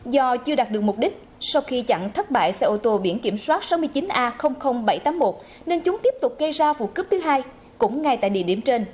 do chưa đạt được mục đích sau khi chặn thất bại xe ô tô biển kiểm soát sáu mươi chín a bảy trăm tám mươi một nên chúng tiếp tục gây ra vụ cướp thứ hai cũng ngay tại địa điểm trên